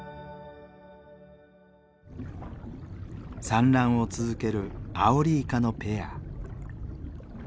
産卵を続けるアオリイカのペア。